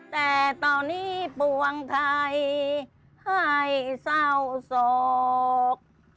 แต่ตอนนี้ปวงไทยให้เศร้าโศก